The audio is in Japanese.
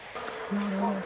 なるほど。